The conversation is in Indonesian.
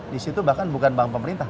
di situ bahkan bukan bank pemerintah